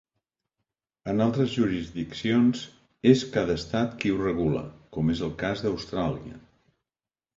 En altres jurisdiccions és cada estat qui ho regula, com és el cas d'Austràlia.